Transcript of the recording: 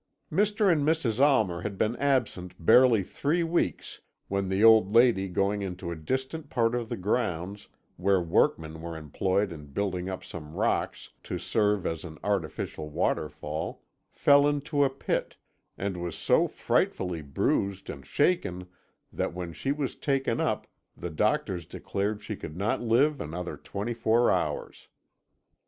"Mr. and Mrs. Almer had been absent barely three weeks when the old lady going into a distant part of the grounds where workmen were employed in building up some rocks to serve as an artificial waterfall, fell into a pit, and was so frightfully bruised and shaken that, when she was taken up, the doctors declared she could not live another twenty four hours.